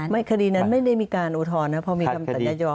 ไม่คดีนั้นไม่ได้มีการอุทธรณ์เพราะมีคำทันยายอม